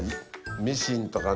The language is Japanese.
ミシンとかね